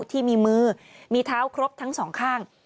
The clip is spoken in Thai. ที่มีมือมีเท้าครบทั้งสองข้าง